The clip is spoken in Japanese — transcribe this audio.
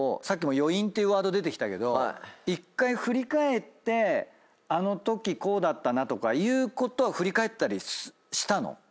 さっきも余韻っていうワード出てきたけど１回振り返ってあのときこうだったなとかいうことは振り返ったりしたの？